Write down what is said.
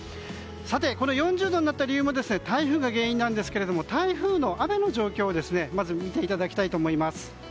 さて、この４０度になった理由も台風が原因なんですけども台風の雨の状況をまず見ていただきたいと思います。